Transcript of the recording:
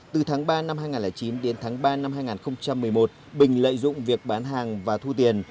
từ tháng ba năm hai nghìn chín đến tháng ba năm hai nghìn một mươi một bình lợi dụng việc bán hàng và thu tiền